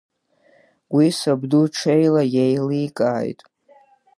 Уи сабду ҽеила еиликааит.